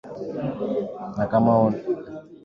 Na kama ni Wajita wangeuliza oumenya obhwato